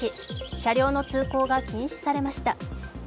車両の通行が禁止されました。